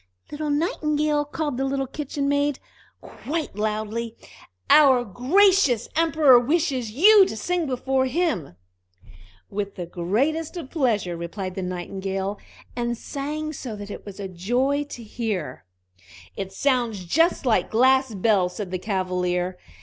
"Little Nightingale!" called the little Kitchen maid, quite loudly, "our gracious Emperor wishes you to sing before him." "With the greatest pleasure!" replied the Nightingale, and sang so that it was a joy to hear it. "It sounds just like glass bells!" said the Cavalier.